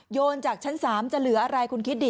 โยนจากชั้น๓จะเหลืออะไรคุณคิดดิ